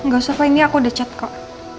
gak usah ini aku udah chat kok